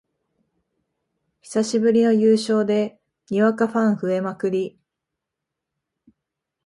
久しぶりの優勝でにわかファン増えまくり